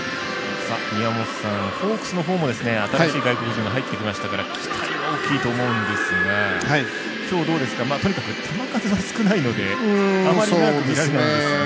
宮本さん、ホークスの方も新しい外国人が入ってきましたから期待は大きいと思うんですが今日、とにかく球数は少ないんであまり長く見られないんですが。